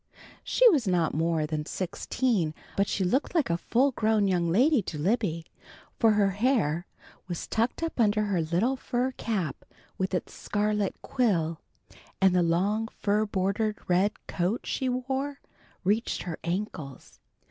She was not more than sixteen, but she looked like a full grown young lady to Libby, for her hair was tucked up under her little fur cap with its scarlet quill, and the long, fur bordered red coat she wore, reached her ankles.